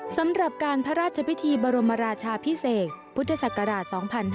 สำหรับการพระราชพิธีบรมราชาพิเศษพุทธศักราช๒๕๕๙